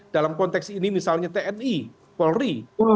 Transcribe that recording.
dalam konteks ini misalnya tni polri